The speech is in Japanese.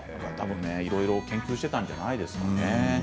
いろいろ研究していたんじゃないですかね。